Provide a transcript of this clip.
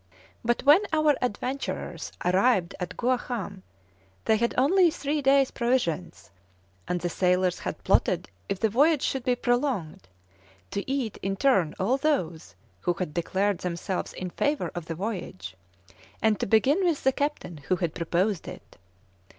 But when our adventurers arrived at Guaham, they had only three days' provisions, and the sailors had plotted if the voyage should be prolonged, to eat in turn all those who had declared themselves in favour of the voyage, and to begin with the captain who had proposed it.